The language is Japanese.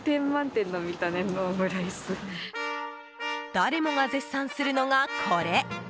誰もが絶賛するのがこれ。